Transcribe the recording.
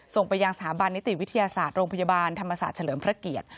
ไปยังสถาบันนิติวิทยาศาสตร์โรงพยาบาลธรรมศาสตร์เฉลิมพระเกียรติ